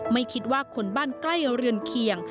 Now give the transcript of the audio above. ไม่คิดว่าคนบ้านใกล้เรือนเคียง